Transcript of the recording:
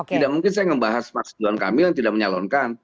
tidak mungkin saya membahas mbak ridwan kamil yang tidak menyalonkan